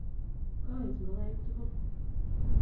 Kooit ingokaiik tugul.